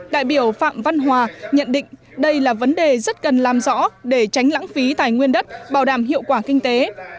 đại biểu phạm văn hòa nhận định đây là vấn đề rất cần làm rõ để tránh lãng phí tài nguyên đất bảo đảm hiệu quả kinh tế